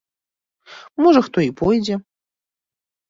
Можа, хто і пойдзе?